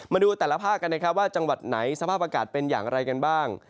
มาดูแต่ละภาคกันนะครับว่าจังหวัดไหนสภาพอากาศเป็นอย่างไรกันบ้าง